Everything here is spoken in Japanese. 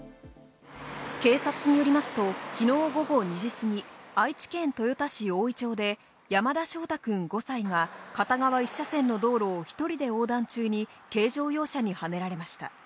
警察によりますと、きのう午後２時過ぎ、愛知県豊田市大井町で、山田将大くん、５歳が片側１車線の道路を１人で横断中に軽乗用車にはねられました。